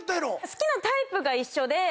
好きなタイプが一緒で。